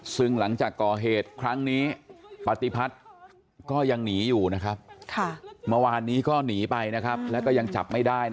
ซึ่งหลังจากก่อเหตุครั้งนี้ปฏิพัทธ์ก็ยังหนีอยู่นะครับ